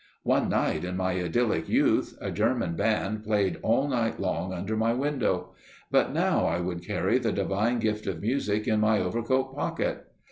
One night, in my idyllic youth, a German band played all night long under my window; but now I could carry the divine gift of music in my overcoat pocket!